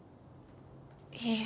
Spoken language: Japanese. いいえ。